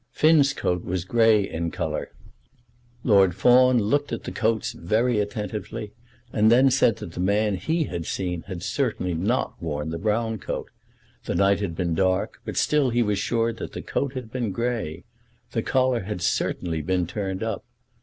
Finn's coat was grey in colour. Lord Fawn looked at the coats very attentively, and then said that the man he had seen had certainly not worn the brown coat. The night had been dark, but still he was sure that the coat had been grey. The collar had certainly been turned up.